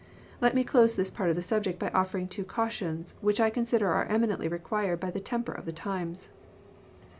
Let me close this part of the subject by offering two cautions, which I consider are eminently required by the temper of the times.